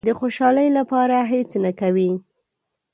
د خوشالۍ لپاره هېڅ نه کوي.